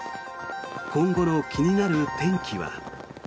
今後の気になる天気は。